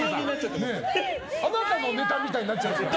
あなたのネタみたいになっちゃうから。